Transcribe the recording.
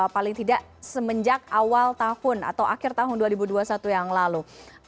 paling tidak semenjak awal tahun atau akhir tahun dua ribu dua puluh satu yang lalu